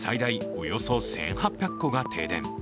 およそ１８００戸が停電。